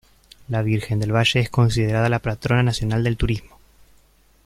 La Virgen del Valle es considerada la Patrona Nacional del Turismo.